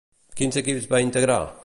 Quins equips va integrar?